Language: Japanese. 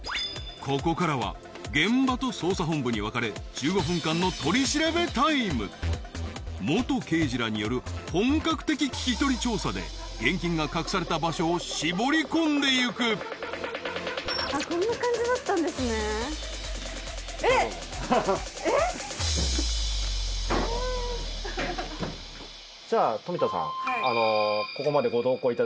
ここからは現場と捜査本部に分かれ１５分間の取り調べタイム元刑事らによる本格的聞き取り調査で現金が隠された場所を絞り込んでいくどうぞえっ？